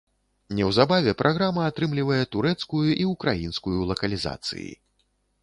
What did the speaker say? Неўзабаве праграма атрымлівае турэцкую і ўкраінскую лакалізацыі.